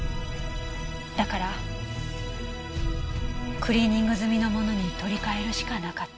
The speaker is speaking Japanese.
だからクリーニング済みのものに取り替えるしかなかった。